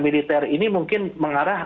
militer ini mungkin mengarah